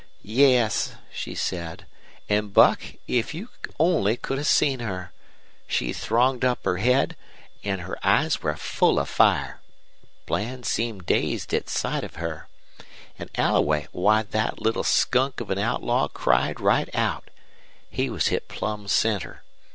"'Yes,' she said; an', Buck, if you only could have seen her! She thronged up her head, an' her eyes were full of fire. Bland seemed dazed at sight of her. An' Alloway, why, thet little skunk of an outlaw cried right out. He was hit plumb center.